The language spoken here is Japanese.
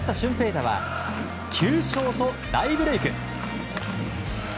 大は９勝と大ブレーク。